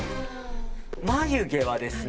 眉毛はですね